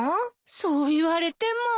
そう言われても。